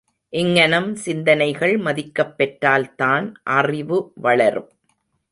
இங்ஙனம் சிந்தனைகள் மதிக்கப் பெற்றால்தான் அறிவு வளரும்.